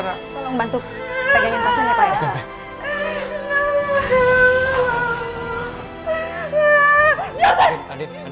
tolong bantu pegangin pasangnya pak ya